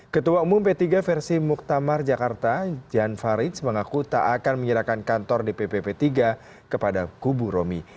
ketua umum p tiga versi muktamar jakarta jan faridz mengaku tak akan menyerahkan kantor dpp p tiga kepada kubu romi